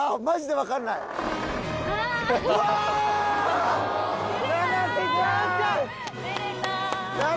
マジで分かんないああ！